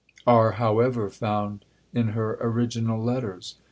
are, however, found in her original letters.